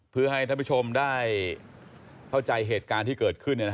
เพื่อให้ท่านผู้ชมได้เข้าใจเหตุการณ์ที่เกิดขึ้น